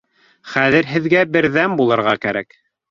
— Хәҙер һеҙгә берҙәм булырға кәрәк.